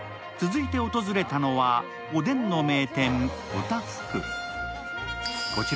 続いて訪れたのはおでんの名店、大多福。